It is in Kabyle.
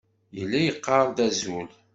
Yella yeqqar-d azul.